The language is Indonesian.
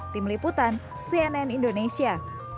tim liputan cnn indonesia